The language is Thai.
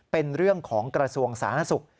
เป็นเรื่องของกระทรวงศาลนักศึกษ์